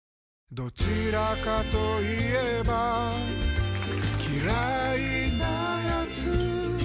どちらかと言えば嫌いなやつ